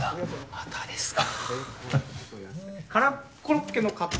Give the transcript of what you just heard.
またですか。